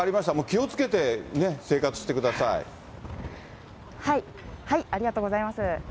気をつけて、ね、ありがとうございます。